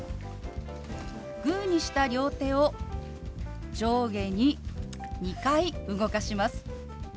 グーにした両手を上下に２回動かします。